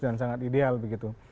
dan sangat ideal begitu